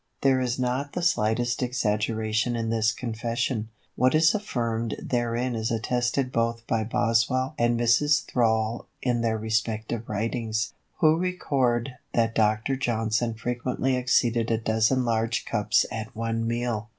There is not the slightest exaggeration in this confession. What is affirmed therein is attested both by Boswell and Mrs. Thrale in their respective writings, who record that Dr. Johnson frequently exceeded a dozen large cups at one meal.